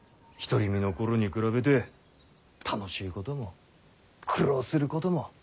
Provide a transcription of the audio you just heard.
独り身の頃に比べて楽しいことも苦労することも。